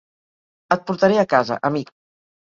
Et portaré a casa, amic.